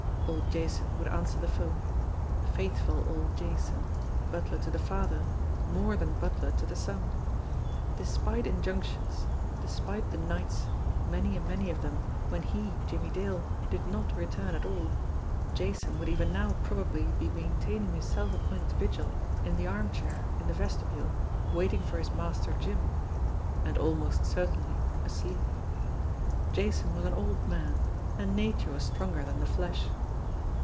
Old Jason would answer the phone. Faithful old Jason, butler to the father, more than butler to the son! Despite injunctions, despite the nights, many and many of them, when he, Jimmie Dale, did not return at all, Jason would even now probably be maintaining his self appointed vigil in the arm chair in the vestibule waiting for his Master Jim and almost certainly asleep! Jason was an old man, and nature was stronger than the flesh.